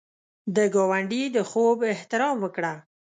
د ګاونډي د خوب احترام وکړه